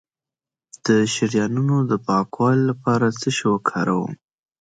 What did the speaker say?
د شریانونو د پاکوالي لپاره څه شی وکاروم؟